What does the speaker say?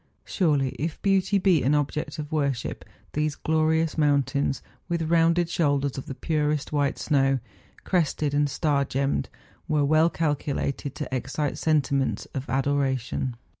Surely if beauty be an object of worship, those glorious mountains, with rounded shoulders of the purest white snow, crested and star gemmed, were well calculated to excite sentiments of adoration.